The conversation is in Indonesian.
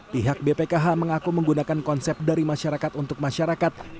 pihak bpkh mengaku menggunakan konsep dari masyarakat untuk masyarakat